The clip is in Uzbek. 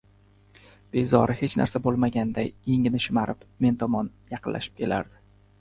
Bezori hech narsa bo‘lmaganday, yengini shimarib, men tomon yaqinlashib kelardi.